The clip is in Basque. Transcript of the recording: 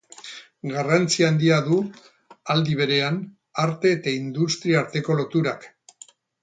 Garrantzia handia du, aldi berean, arte eta industria arteko loturak.